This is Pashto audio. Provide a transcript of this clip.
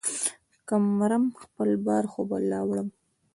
که مرم ، خپل بار خو به لا وړم.